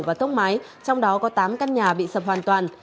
và tốc mái trong đó có tám căn nhà bị sập hoàn toàn